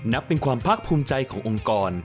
นับเป็นความภาคภูมิใจขององค์กร